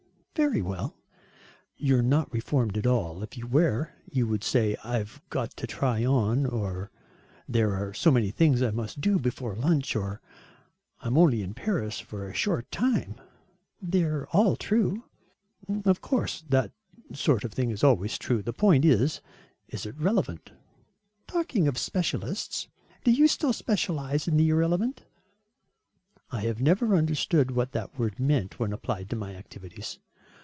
"Very well." "You're not reformed at all. If you were, you would say, 'I've got to try on,' or, 'there are so many things I must do before lunch,' or 'I am only in Paris for such a short time.'" "They're all true." "Of course that sort of thing is always true. The point is, is it relevant?" "Talking of specialists. Do you still specialise in the irrelevant?" "I have never understood what that word meant when applied to my activities.